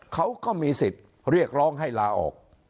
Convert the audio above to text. เขาก็มีสิทธิ์เรียกร้องให้ลาออก